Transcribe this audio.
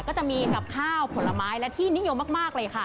ก็จะมีกับข้าวผลไม้และที่นิยมมากเลยค่ะ